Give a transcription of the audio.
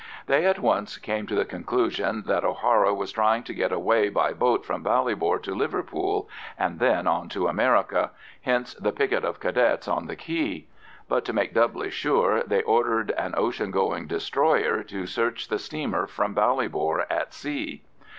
They at once came to the conclusion that O'Hara was trying to get away by boat from Ballybor to Liverpool and then on to America, hence the picket of Cadets on the quay; but to make doubly sure they ordered an ocean going destroyer to search the steamer from Ballybor at sea.